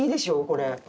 これ。